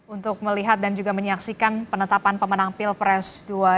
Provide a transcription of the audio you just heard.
untuk melihat dan juga menyaksikan penetapan pemenang pilpres dua ribu sembilan belas